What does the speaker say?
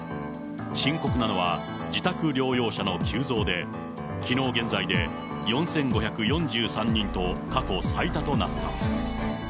深刻なのは、自宅療養者の急増で、きのう現在で４５４３人と過去最多となった。